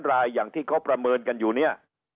๔๐๐๐๐๐รายอย่างที่เขาประเมินกันอยู่นี้